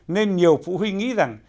nên nhiều phụ huynh nghĩ rằng